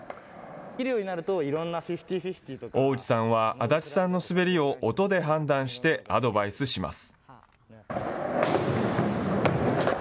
大内さんは足立さんの滑りを音で判断してアドバイスします。